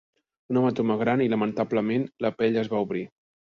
Un hematoma gran i, lamentablement, la pell es va obrir.